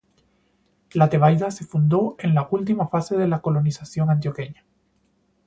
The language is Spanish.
La Tebaida se fundó en la última fase de la Colonización Antioqueña.